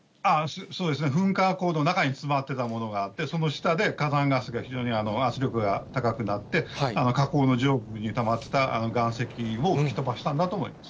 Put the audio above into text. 噴火口の中に詰まっていたものであって、その下で火山ガスが非常に圧力が高くなって、火口の上部にたまった岩石を吹き飛ばしたんだと思います。